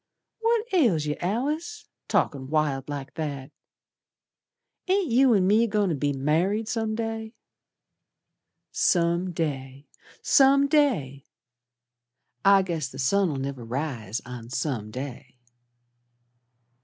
"What ails yer, Alice? Talkin' wild like that. Ain't you an' me goin' to be married Some day." "Some day! Some day! I guess the sun'll never rise on some day."